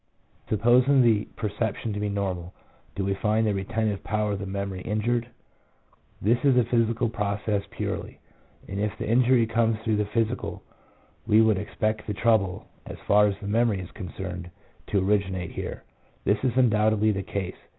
Supposing the perception to be normal, do we find the retentive power of the memory injured? This is a physical process purely, and if the injury comes through the physical, we would expect the trouble, as far as the memory is concerned, to originate here. This is undoubtedly the case.